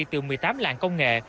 từ một mươi tám làng công nghệ